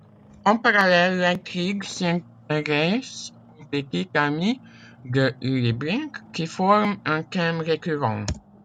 En parallèle, l’intrigue s’intéresse aux petites amies de Liebling qui forment un thème récurrent.